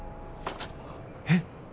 えっ！？